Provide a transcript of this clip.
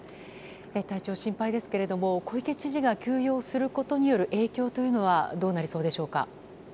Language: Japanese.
体調心配ですが小池知事が休養することによる影響というのはどうなりそうでしょうか。